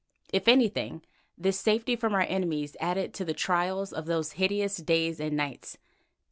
If anything, this safety from our enemies added to the trials of those hideous days and nights.